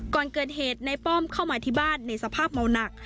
ก่อนเกิดเหตุในป้อมเข้ามาที่บ้านในสภาพเมาหนัก